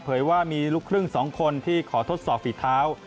ว่ามีลูกครึ่ง๒คนที่ขอทดสอบฝีเท้า